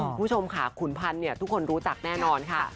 คุณผู้ชมค่ะขุนพันธ์ทุกคนรู้จักแน่นอนค่ะ